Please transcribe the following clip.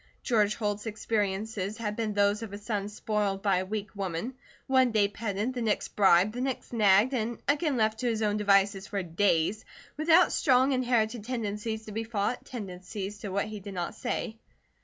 George Holt's experiences had been those of a son spoiled by a weak woman, one day petted, the next bribed, the next nagged, again left to his own devices for days, with strong inherited tendencies to be fought, tendencies to what he did not say.